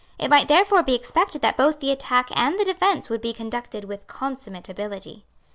It might therefore be expected that both the attack and the defence would be conducted with consummate ability.